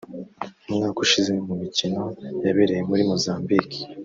umwaka ushize mu mikino yabereye muri Mozambique